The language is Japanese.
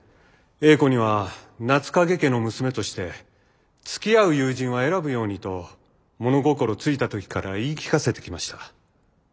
英子には夏影家の娘としてつきあう友人は選ぶようにと物心付いた時から言い聞かせてきました。